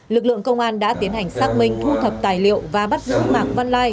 lực lượng công an đã tiến hành xác minh thu thập tài liệu và bắt giữ mạng văn lai